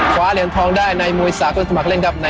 คว้าเหรียญทองได้ในมุยศาสตร์คุณสมัครเล่นดับใน